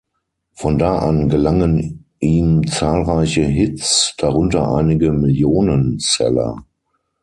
Von da an gelangen ihm zahlreiche Hits, darunter einige Millionenseller.